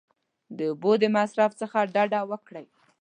د اوبو د مصرف څخه ډډه وکړئ !